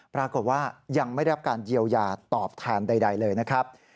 ปรากฏว่ายังไม่ได้รับการเยียวยาตอบแทนใดเลยนะครับ